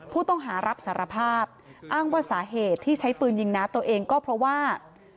ผู้ต้องหารับสารภาพอ้างว่าสาเหตุที่ใช้ปืนยิงน้าตัวเองก็เพราะว่า